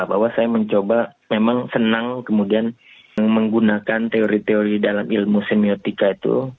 bahwa saya mencoba memang senang kemudian menggunakan teori teori dalam ilmu semiotika itu